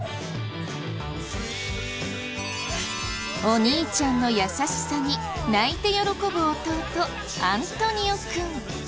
お兄ちゃんの優しさに泣いて喜ぶ弟アントニオ君。